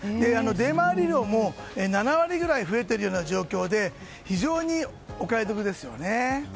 出回り量も７割ぐらい増えているような状況で非常にお買い得です。